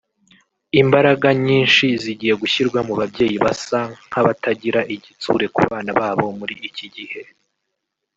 Imbaraga nyinshi zigiye gushyirwa mu babyeyi basa nk’abatakigira igitsure kubana babo muri iki gihe